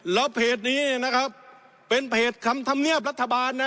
แล้วเพจนี้นะครับเป็นเพจคำธรรมเนียบรัฐบาลนะ